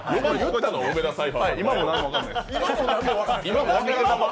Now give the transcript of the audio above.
今も何も分かんないです。